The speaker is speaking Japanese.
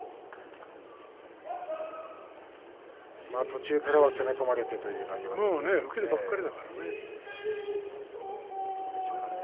途中からは攻め込まれてという内容ですね。